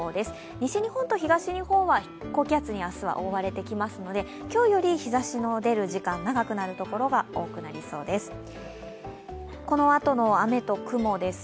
西日本と東日本は高気圧に明日は覆われてきますので今日よりは日ざしが出る時間、長くなるところが多くなりそうです。